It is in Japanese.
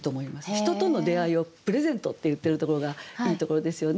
人との出いをプレゼントって言ってるところがいいところですよね。